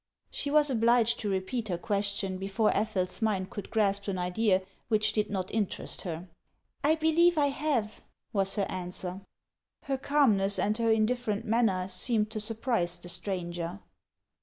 She was obliged to repeat her cpiestion before Ethel's mind could grasp an idea which did not interest her. " I believe I have," was her answer. Her calmness, and her indifferent manner, seemed to surprise the stranger.